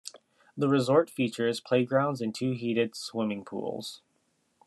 The resort features playgrounds and two heated swimming pools.